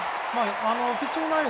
ピッチング内容